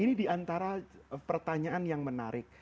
ini diantara pertanyaan yang menarik